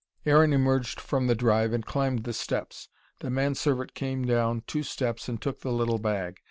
Aaron emerged from the drive and climbed the steps. The manservant came down two steps and took the little bag.